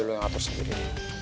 ya udah lo yang atur sendiri